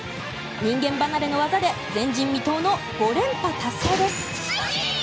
人間離れの技で前人未到の５連覇達成です。